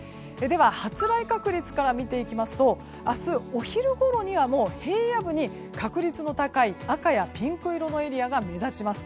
発雷確率から見ていきますと明日、お昼ごろには平野部に確率の高い赤やピンク色のエリアが目立ちます。